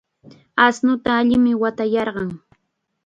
Ashnuta allim watayarqan.